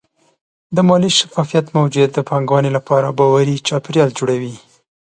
د مالي شفافیت موجودیت د پانګونې لپاره باوري چاپېریال جوړوي.